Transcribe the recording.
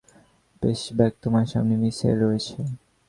Payback, তোমার সামনে missile রয়েছে।